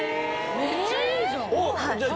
めっちゃいいじゃん。